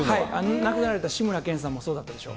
亡くなられた志村けんさんもそうだったでしょ。